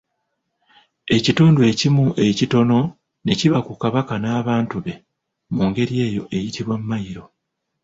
Ekitundu ekimu ekitono ne kiba ku Kabaka n'abantu be mu ngeri eyo eyitibwa Mailo.